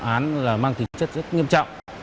án là mang tính chất rất nghiêm trọng